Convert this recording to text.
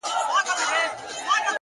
• تاوېدم لکه پېچک له ارغوانه ,